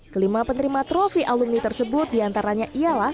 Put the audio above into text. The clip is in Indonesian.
kelima penerima trofi alumni tersebut diantaranya ialah